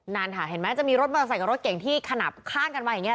นั่นค่ะเห็นไหมจะมีรถมอเตอร์ไซค์กับรถเก่งที่ขนับข้างกันมาอย่างนี้